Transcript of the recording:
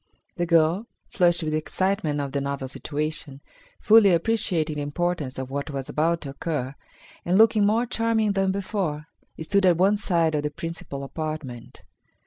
The girl, flushed with excitement of the novel situation, fully appreciating the importance of what was about to occur, and looking more charming than before, stood at one side of the principal apartment.